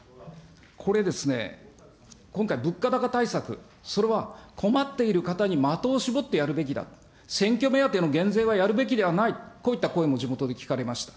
これですね、今回、物価高対策、それは困っている方に的を絞ってやるべきだ、選挙目当ての減税はやるべきではない、こういった声も地元で聞かれました。